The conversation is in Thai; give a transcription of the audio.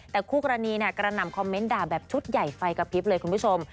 แต่คู่กรณีกระหน่ำคอมเมนต์ด่าแบบชุดใหญ่ไฟกระพริบเลยคุณผู้ชม